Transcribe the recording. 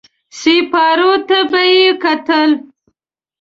سېپارو ته به يې کتل.